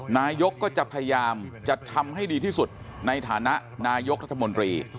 นายกก็จะพยายามจะทำให้ดีที่สุดในฐานะนายกรัฐมนตรี